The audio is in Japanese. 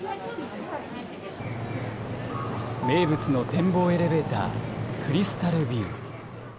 名物の展望エレベーター、クリスタルビュー。